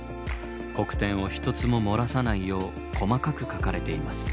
黒点を一つも漏らさないよう細かく描かれています。